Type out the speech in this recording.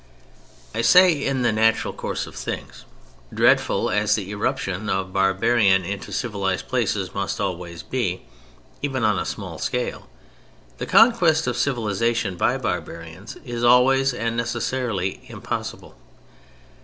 I say "in the natural course of things." Dreadful as the irruption of barbarians into civilized places must always be, even on a small scale, the conquest of civilization by barbarians is always and necessarily impossible.